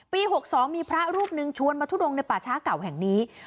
๖๒มีพระรูปหนึ่งชวนมาทุดงในป่าช้าเก่าแห่งนี้